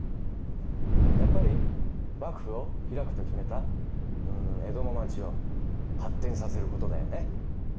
やっぱり幕府を開くと決めたうん江戸の町を発てんさせることだよね。